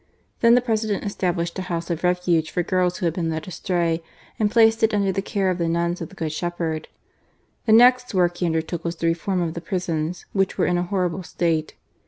Then the President established a house of refuge for girls who had been led astray, and placed it under the care of the Nuns of the Good Shepherd. The next work he undertook was the reform of the prisons, which were in a horrible state.